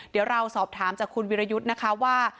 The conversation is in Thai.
เดี๋ยวเราสอบถามจากคุณวิรยุทธ์นะคะว่า